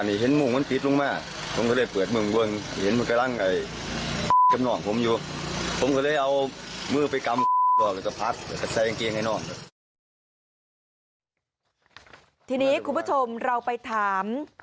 ทีนี้คุณผู้ชมเราไปถาม